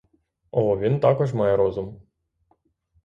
О, він також має розум!